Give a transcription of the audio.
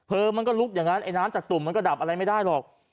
มันก็ลุกอย่างนั้นไอ้น้ำจากตุ่มมันก็ดับอะไรไม่ได้หรอก